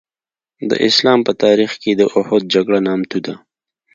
د اسلام په تاریخ کې د اوحد جګړه نامتو ده.